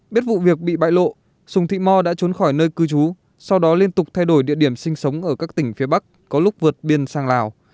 biết vụ việc bị bại lộ sùng thị mo đã trốn khỏi nơi cư trú sau đó liên tục thay đổi địa điểm sinh sống ở các tỉnh phía bắc có lúc vượt biên sang lào